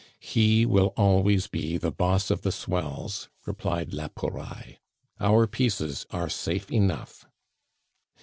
"He will always be the boss of the swells," replied la Pouraille. "Our pieces are safe enough."